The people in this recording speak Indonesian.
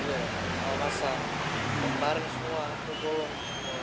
iya alasan membarang semua kegolong